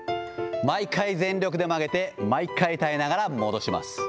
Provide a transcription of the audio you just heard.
毎回全力で曲げて、毎回耐えながら戻します。